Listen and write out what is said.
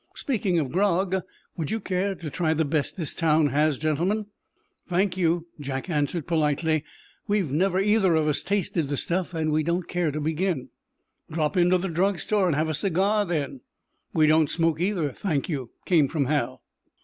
Speaking of grog, would you care to try the best this town has, gentlemen?" "Thank you," Jack answered, politely. "We've never either of us tasted the stuff, and we don't care to begin." "Drop into the drug store and have a cigar, then?" "We don't smoke, either, thank you," came from Hal.